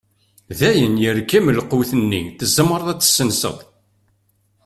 Dayen yerkem lqut-nni, tzemreḍ ad as-tessenseḍ.